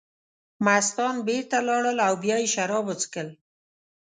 مستان بېرته لاړل او بیا یې شراب وڅښل.